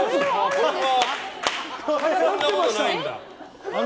そんなことないんだ。